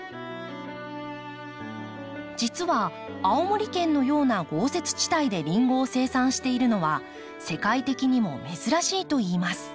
じつは青森県のような豪雪地帯でリンゴを生産しているのは世界的にも珍しいといいます。